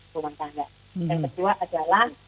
rumah tangga yang kedua adalah